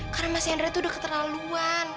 karena mas hendra tuh udah keterlaluan